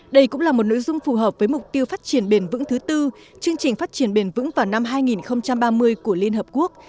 đây cũng là một nội dung phù hợp với mục tiêu phát triển bền vững thứ tư chương trình phát triển bền vững vào năm hai nghìn ba mươi của liên hợp quốc